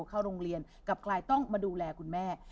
เข้าโรงเรียนกลับกลายต้องมาดูแลคุณแม่